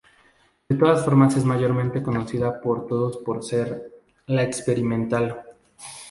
De todas formas es mayormente conocida por todos por ser "La experimental".